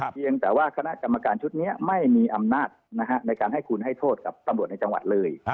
เพียงแต่ว่าคณะกรรมการชุดนี้ไม่มีอำนาจในการให้คุณให้โทษกับตำรวจในจังหวัดเลย